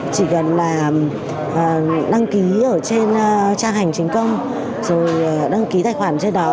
chỉ cần đăng ký trên trang hành trình công đăng ký tài khoản trên đó